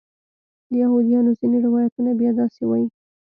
د یهودیانو ځینې روایتونه بیا داسې وایي.